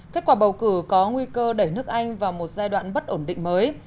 kết quả bầu cử có nguy cơ đẩy nước anh vào một giai đoạn bất ổn định mới